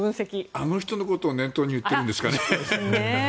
あの人のことを念頭に言っているんですかね。